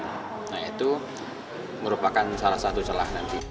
nah itu merupakan salah satu celah nanti